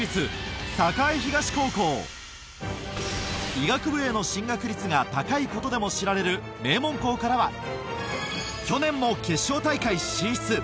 医学部への進学率が高いことでも知られる名門校からは去年も決勝大会進出